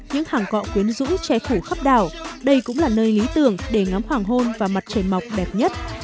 những hàng cọ quyến rũ che phủ khắp đảo đây cũng là nơi lý tưởng để ngắm hoàng hôn và mặt trời mọc đẹp nhất